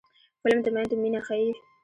فلم د میندو مینه ښيي